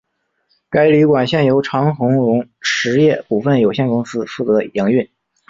该旅馆现由长鸿荣实业股份有限公司负责营运。